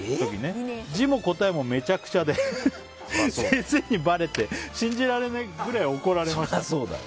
字も答えもめちゃくちゃで先生にばれて信じられないぐらい怒られました。